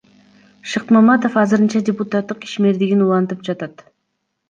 Шыкмаматов азырынча депутаттык ишмердигин улантып жатат.